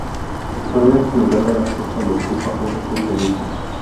Actualmente el lugar de la cosa lo ocupa un hotel de lujo